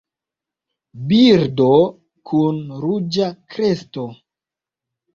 Birdo kun ruĝa kresto.